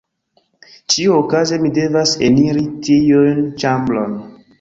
Ĉiuokaze mi devas eniri tiun ĉambron.